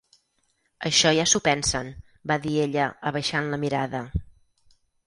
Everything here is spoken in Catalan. Això ja s'ho pensen —va dir ella, abaixant la mirada.